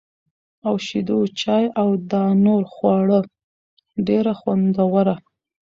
او شېدو چای او دانور خواړه ډېره خوندوره